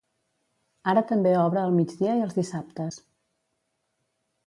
Ara també obre al migdia i els dissabtes.